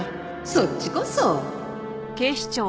「そっちこそ」